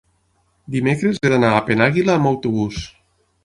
Dimecres he d'anar a Penàguila amb autobús.